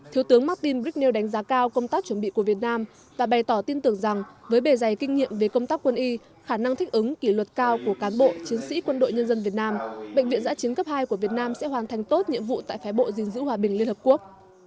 thiếu tướng martin brignew đánh giá cao công tác chuẩn bị của việt nam và bày tỏ tin tưởng rằng với bề dày kinh nghiệm về công tác quân y khả năng thích ứng kỷ luật cao của cán bộ chiến sĩ quân đội nhân dân việt nam bệnh viện giã chiến cấp hai của việt nam sẽ hoàn thành tốt nhiệm vụ tại phái bộ dình dữ hòa bình liên hợp quốc